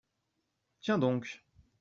Tiens donc !